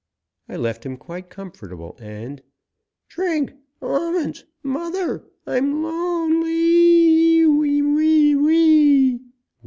I left him quite comfortable and " "Drink! Almonds! Mother! I'm lone lee ee wee wee wee!"